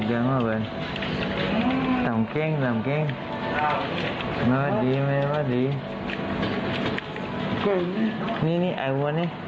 อุ๊ยทำไมแล้ว